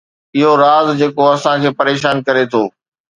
اهو راز جيڪو اسان کي پريشان ڪري ٿو